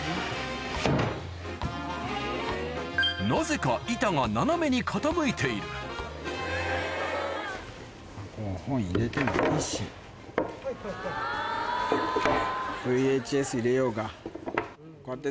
なぜか板が斜めに傾いているＶＨＳ入れようが。